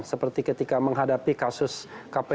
seperti ketika menghadapi kasus kpk yang terjadi di jokowi